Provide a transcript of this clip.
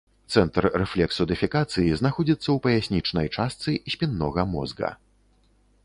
Цэнтр рэфлексу дэфекацыі знаходзіцца ў паяснічнай частцы спіннога мозга.